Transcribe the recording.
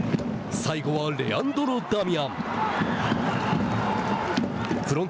最後はレアンドロ・ダミアン。